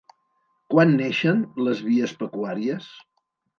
Quan neixen les vies pecuàries?